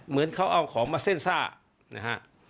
เหมือนเขาเอาของมาเส้นซ่านะฮะ